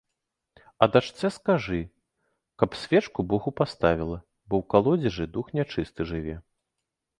А дачцэ скажы, каб свечку богу паставіла, бо ў калодзежы дух нячысты жыве.